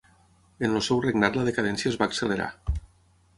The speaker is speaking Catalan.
En el seu regnat la decadència es va accelerar.